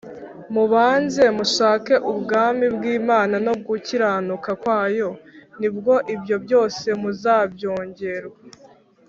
” Mubanze mushake ubwami bw’Imana, no gukiranuka kwayo; ni bwo ibyo byose muzabyongerwa.